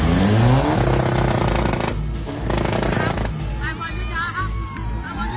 โปรดติดตามตอนต่อไป